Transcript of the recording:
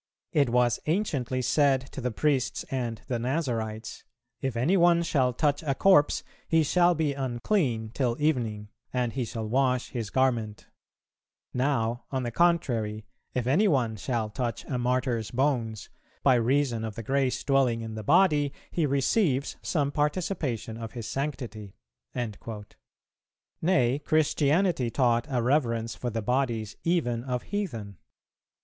It was anciently said to the Priests and the Nazarites, 'If any one shall touch a corpse, he shall be unclean till evening, and he shall wash his garment;' now, on the contrary, if any one shall touch a Martyr's bones, by reason of the grace dwelling in the body, he receives some participation of his sanctity."[404:1] Nay, Christianity taught a reverence for the bodies even of heathen.